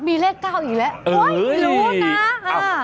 มีเล่น๙อีกแล้วตัวนี้นะคะ